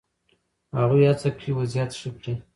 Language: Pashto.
هغوی هڅه کوي وضعیت ښه کړي.